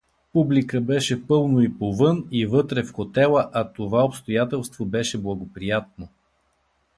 Публика беше пълно и повън, и вътре в хотела, а това обстоятелство беше благоприятно.